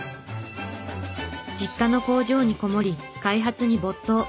実家の工場にこもり開発に没頭。